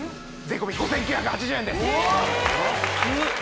税込５９８０円です安っ